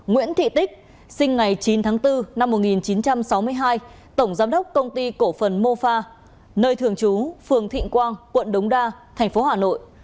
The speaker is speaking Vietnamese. nguyễn thị tích sinh ngày chín tháng bốn năm một nghìn chín trăm sáu mươi hai tổng giám đốc công ty cổ phần mofa nơi thường trú phường thịnh quang quận đống đa thành phố hà nội